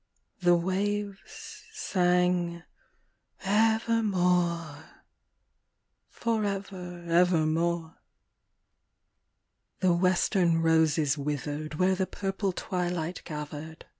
The waves sang, " Evermore," forever evermore. The western roses withered where the purple twilight gathered.